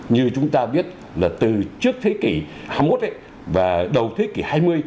như chúng ta biết là từ trước thế kỷ hai mươi một và đầu thế kỷ hai mươi